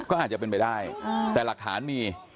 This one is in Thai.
ก็อาจจะเป็นไปได้แต่หลักฐานมี